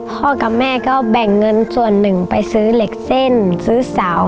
พ่อกับแม่ก็แบ่งเงินส่วนหนึ่งไปซื้อเหล็กเส้นซื้อเสา